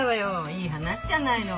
いい話じゃないの。